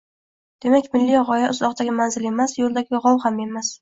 Demak milliy g‘oya uzoqdagi manzil emas, yo‘ldagi g‘ov ham emas